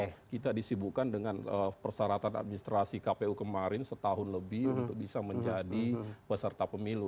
dan kita juga memperbaiki persyaratan administrasi kpu kemarin setahun lebih untuk bisa menjadi peserta pemilu